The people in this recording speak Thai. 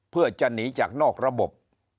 เพื่อจะหนีจากนอกระบบ